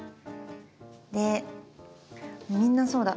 でみんなそうだ。